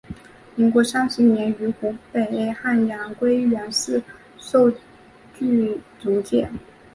民国三十年于湖北汉阳归元寺受具足戒。